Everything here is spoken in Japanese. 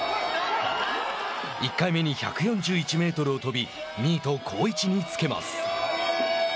１回目に１４１メートルを飛び２位と好位置に付けます。